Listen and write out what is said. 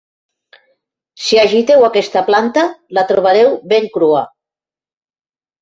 Si agiteu aquesta planta la trobareu ben crua.